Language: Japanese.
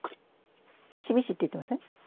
ミシミシっていってません？